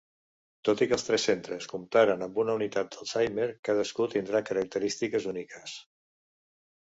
Tot i que els tres centres comptaran amb una unitat d'Alzheimer, cadascun tindrà característiques úniques.